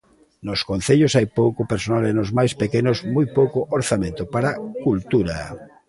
Nos concellos hai pouco persoal e nos máis pequenos moi pouco orzamento para cultura.